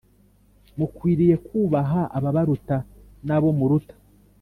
Mukwiriye kubaha ababaruta nabo muruta